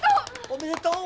おめでとう！